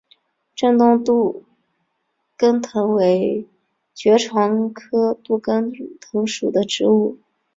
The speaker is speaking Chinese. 滇东杜根藤为爵床科杜根藤属的植物。